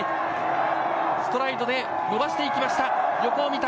ストライドで伸ばしていった。